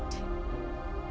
permainan belum selesai